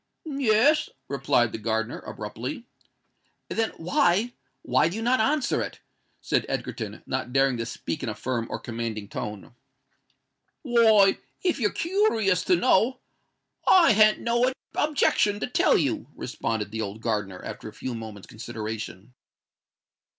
"Yes," replied the gardener, abruptly. "Then, why—why do you not answer it?" said Egerton, not daring to speak in a firm or commanding tone. "Why—if you're koorious to know, I han't no objection to tell you," responded the old gardener, after a few moments' consideration.